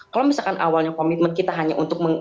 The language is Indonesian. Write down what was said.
kalau misalkan awalnya komitmen kita hanya untuk